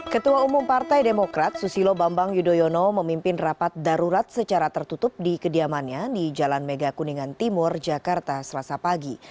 ketua umum partai demokrat susilo bambang yudhoyono memimpin rapat darurat secara tertutup di kediamannya di jalan mega kuningan timur jakarta selasa pagi